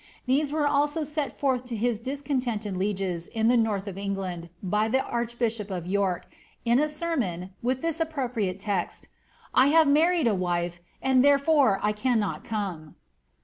These were also set forth to his discontented lieges in the north of Eng land, by the archbishop of York, in a sermon, with this appropriate text, ^I have married a wife, and therefore I cannot come."'